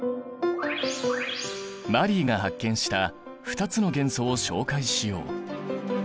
マリーが発見した２つの元素を紹介しよう。